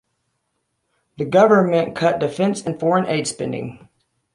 The government cut defence and foreign aid spending.